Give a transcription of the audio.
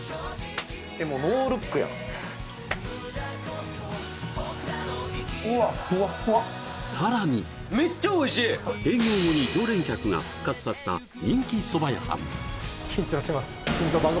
・もうノールックやんさらに閉業後に常連客が復活させた人気そば屋さん緊張します